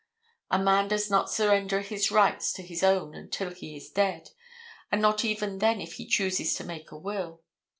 A man does not surrender his rights to his own until he is dead, and not even then if he chooses to make a will.